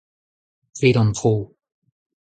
Grit an dro.